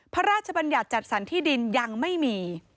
พระราชบัญญัติจัดสรรที่ดินยังไม่มี